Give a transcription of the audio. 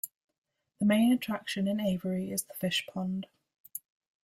The main attraction in Avery is the Fish Pond.